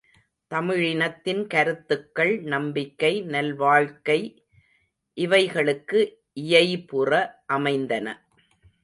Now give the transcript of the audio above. தமிழினத்தின் கருத்துக்கள் நம்பிக்கை, நல்வாழ்க்கை இவைகளுக்கு இயைபுற அமைந்தன.